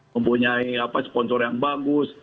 mempunyai sponsor yang bagus